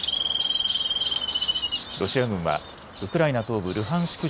ロシア軍はウクライナ東部ルハンシク